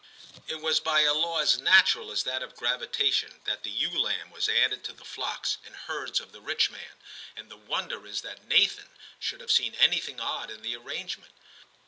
* It was by a law as natural as that of gravitation that the ewe lamb was added to the flocks IX TIM 20I and herds of the rich man, and the wonder is that Nathan should have seen anything odd in the arrangement.